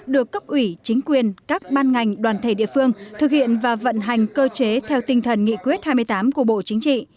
được cấp ủy chính quyền các ban ngành đoàn thể địa phương thực hiện và vận hành cơ chế theo tinh thần nghị quyết hai mươi tám của bộ chính trị